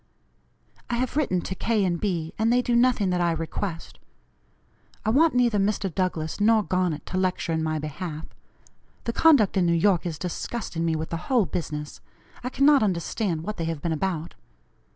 I have written to K. and B., and they do nothing that I request. I want neither Mr. Douglass nor Garnet to lecture in my behalf. The conduct in New York is disgusting me with the whole business. I cannot understand what they have been about.